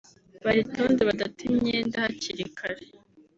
baritonde badata imyenda hakiri kare